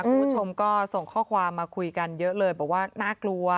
คุณผู้ชมก็ส่งข้อความมาคุยกันเยอะเลยบอกว่าน่ากลัว